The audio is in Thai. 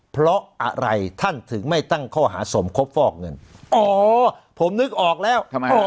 เพราะอะไรท่านถึงไม่ตั้งข้อหาสมคบฟอกเงินอ๋อผมนึกออกแล้วทำไม